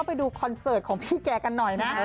ไปดูคอนเสิร์ตของพี่แกกันหน่อยนะ